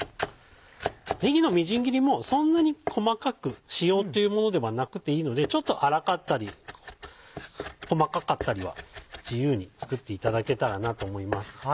ねぎのみじん切りもそんなに細かくしようというものではなくていいのでちょっと粗かったり細かかったりは自由に作っていただけたらなと思います。